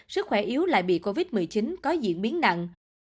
sức khỏe yếu lại bị covid một mươi chín có diễn biến nặng